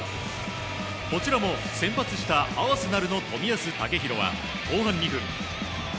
こちらも、先発したアーセナルの冨安健洋は後半２分。